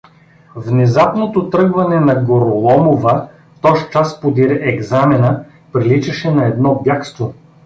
Внезапното тръгване на Гороломова, тозчас подир екзамена, приличаше на едно бягство.